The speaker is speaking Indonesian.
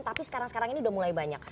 tapi sekarang sekarang ini udah mulai banyak